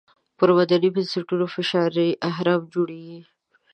پر مدني بنسټونو فشاري اهرم جوړېږي.